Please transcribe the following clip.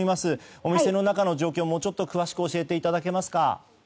お店の中の状況をもうちょっと詳しく教えていただけますか？